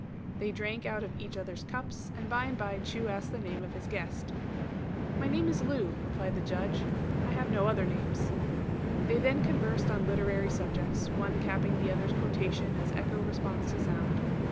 They drank out of each other's cups, and by and by Chu asked the name of his guest. "My name is Lu," replied the Judge; "I have no other names." They then conversed on literary subjects, one capping the other's quotation as echo responds to sound.